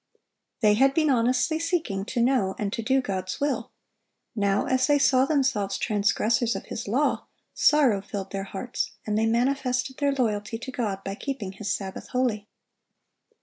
They had been honestly seeking to know and to do God's will; now, as they saw themselves transgressors of His law, sorrow filled their hearts, and they manifested their loyalty to God by keeping His Sabbath holy.